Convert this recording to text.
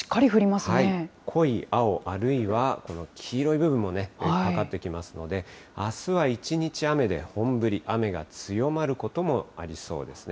濃い青、あるいは黄色い部分もかかってきますので、あすは一日雨で本降り、雨が強まることもありそうですね。